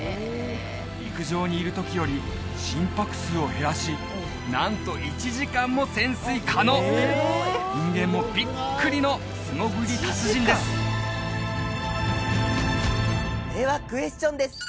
陸上にいる時より心拍数を減らしなんと１時間も潜水可能人間もビックリの素潜り達人ですではクエスチョンです